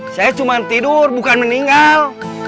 saya cuma tidur bukan meninggal